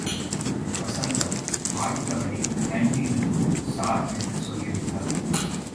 வசந்தா, வாய் தவறி கேன்டீனுக்கு ஸார் என்று சொல்லி விட்டாள்.